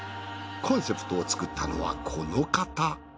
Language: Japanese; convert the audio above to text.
コンセプトを作ったのはこの方。